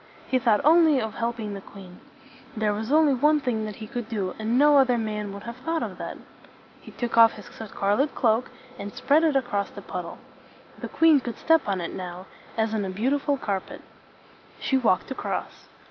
He thought only of helping the queen. There was only one thing that he could do, and no other man would have thought of that. He took off his scarlet cloak, and spread it across the puddle. The queen could step on it now, as on a beautiful carpet. She walked across.